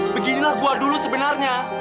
beginilah gue dulu sebenarnya